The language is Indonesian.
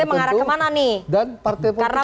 ini maksudnya mengarah kemana nih